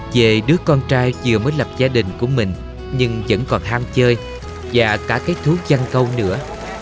về đứa con trai vừa mới lập gia đình của mình nhưng vẫn còn ham chơi và cả cái thuốc chăn câu nữa